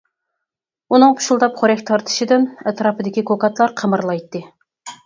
ئۇنىڭ پۇشۇلداپ خورەك تارتىشىدىن ئەتراپىدىكى كوكاتلار قىمىرلايتتى.